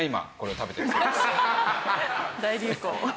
大流行。